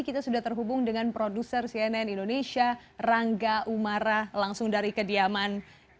kita sudah terhubung dengan produser cnn indonesia rangga umara langsung dari kediaman